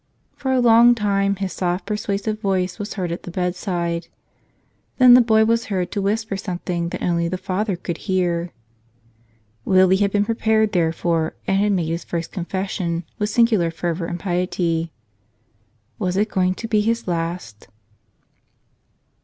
For a long time his soft, persuasive voice was heard at the bedside. Then the boy was heard to whisper something that only the Father could hear. Willie had been prepared therefor and had made his first confession with singular fervor and piety. Was it going to be his last?